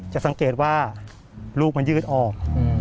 สังเกตว่าลูกมันยืดออก